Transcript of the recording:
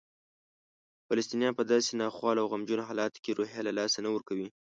فلسطینیان په داسې ناخوالو او غمجنو حالاتو کې روحیه له لاسه نه ورکوي.